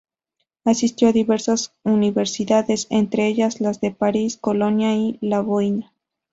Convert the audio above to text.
Asistió a diversas universidades, entre ellas las de París, Colonia y Lovaina.